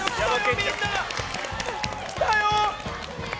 みんな、来たよ！